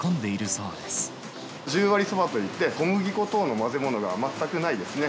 十割そばといって、小麦粉等の混ぜ物が全くないですね。